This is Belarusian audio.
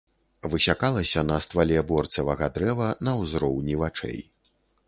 Высякалася на ствале борцевага дрэва на ўзроўні вачэй.